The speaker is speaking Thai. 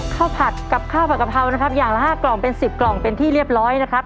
ผัดกับข้าวผัดกะเพรานะครับอย่างละ๕กล่องเป็นสิบกล่องเป็นที่เรียบร้อยนะครับ